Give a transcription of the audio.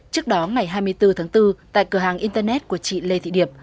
trước đó ngày hai mươi bốn tháng bốn tại cửa hàng internet của chị lê thị điệp